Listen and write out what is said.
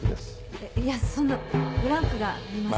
いやそんなブランクがありますので。